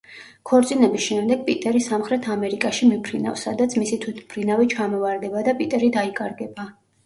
ქორწინების შემდეგ პიტერი სამხრეთ ამერიკაში მიფრინავს, სადაც მისი თვითმფრინავი ჩამოვარდება და პიტერი დაიკარგება.